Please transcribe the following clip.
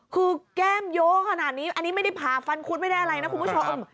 คือแก้มโยขนาดนี้อันนี้ไม่ได้ผ่าฟันคุดไม่ได้อะไรนะคุณผู้ชม